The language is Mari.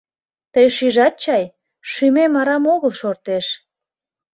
Тый шижат чай: шӱмем арам огыл шортеш?